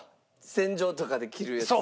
戦場とかで着るやつ？